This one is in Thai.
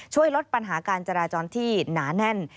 ช่วยลดปัญหาการจราจรที่หนาแน่น